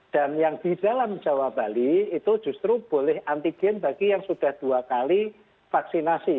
dan yang di dalam jawa bali itu justru boleh antigen bagi yang sudah dua kali vaksinasi